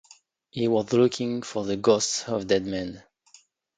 He was looking for the ghosts of dead men.